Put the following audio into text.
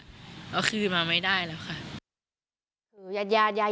ไม่ได้เพราะว่าเขาพันธุ์อยู่แม่ของหัว